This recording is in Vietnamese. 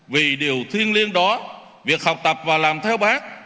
vì điều thiên liên đó việc học tập và làm theo bác